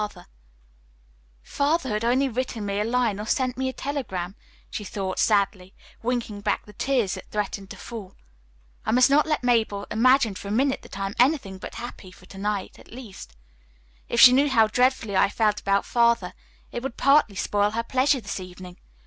"If Father had only written me a line or sent me a telegram," she thought sadly, winking back the tears that threatened to fall. "I must not let Mabel imagine for a minute that I am anything but happy for to night, at least. If she knew how dreadfully I felt about Father it would partly spoil her pleasure this evening.